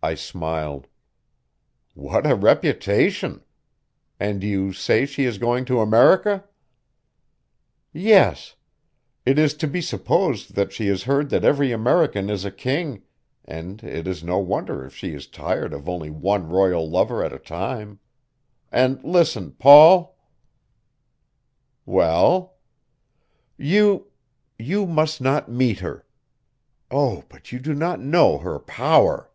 I smiled. "What a reputation! And you say she is going to America?" "Yes. It is to be supposed that she has heard that every American is a king, and it is no wonder if she is tired of only one royal lover at a time. And listen, Paul " "Well?" "You you must not meet her. Oh, but you do not know her power!"